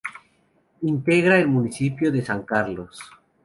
Integra el municipio de San Carlos.